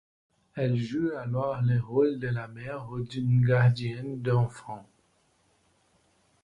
Elle joue alors le rôle de la mère ou d'une gardienne d'enfants.